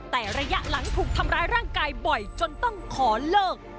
แต่ระยะหลังถูกทำร้ายร่างกายบ่อยจนต้องขอเลิก